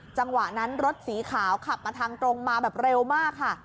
จังหวะนั้นรถสีขาวขับมาทางตรงมาแบบเร็วมากค่ะ